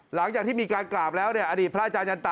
หลังจากที่มีการกราบแล้วเนี่ยอดีตพระอาจารยันตะ